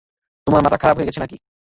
তোমার মাথা খারাপ হয়ে গেছে নাকি।